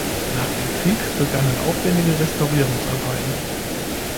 Nach dem Krieg begannen aufwändige Restaurierungsarbeiten.